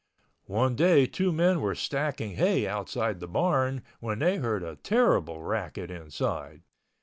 One day two men were stacking hay outside the barn, when they heard a terrible racket inside.